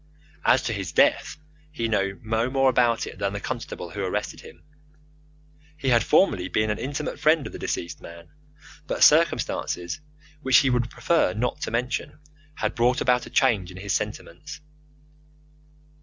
As to his death, he knew no more about it than the constable who arrested him. He had formerly been an intimate friend of the deceased man; but circumstances, which he would prefer not to mention, had brought about a change in his sentiments.